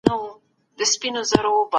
ګټه رسوونکي اوسئ.